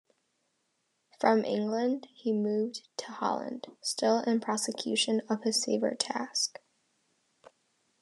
From England, he moved to Holland, still in prosecution of his favorite task.